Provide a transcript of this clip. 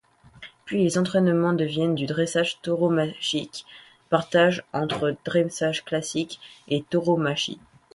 Puis les entraînements deviennent du dressage tauromachique, partage entre dressage classique et tauromachie.